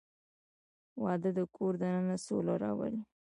• واده د کور دننه سوله راولي.